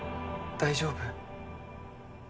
大丈夫？